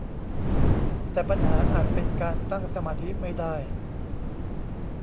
แต่ปัญหาอาจเป็นการตั้งสมาธิไม่ได้